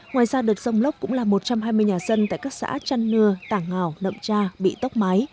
ngoài ra đợt sông lốc cũng làm một trăm hai mươi nhà dân tại các xã trăn nưa tảng ngào nậm cha bị tóc mái